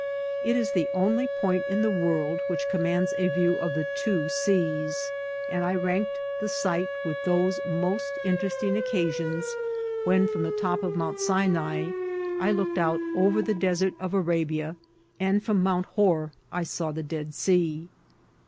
It is the only point in the world which commands a view of the two seas ; and I. ranked the sight with those most interest ing occasions, when from the top of Mount Sinai I look* ed out upon the Desert of Arabia, and from Mount Hor I saw the Dead Sea.